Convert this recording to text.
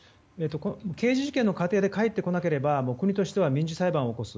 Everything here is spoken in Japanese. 刑事事件の過程で帰ってこなければ国としては民事裁判を起こす。